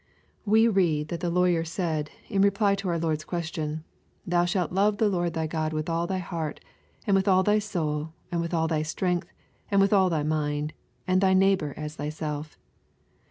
We read that the lawyer said, in reply to our Lord^s question, " Thou shalt love the Lord thy God with all thy heart, and with all thy soul, and with all thy strength, and with all thy mind ; and thy neighbor as thyself."